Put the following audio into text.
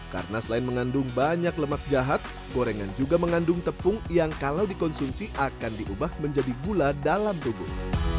karena selain mengandung banyak lemak jahat gorengan juga mengandung tepung yang kalau dikonsumsi akan diubah menjadi gula dalam tubuh